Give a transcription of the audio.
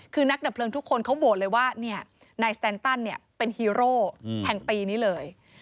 คือนักดับเพลิงทุกคนเขาโหวตเลยว่านายสแตนตันเป็นฮีโร่แห่งปีนี้เลย